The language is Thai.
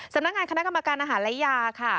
สำนักงานคณะกรรมการอาหารและยาค่ะ